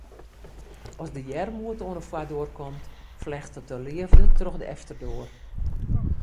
As de earmoed oan 'e foardoar komt, flechtet de leafde troch de efterdoar.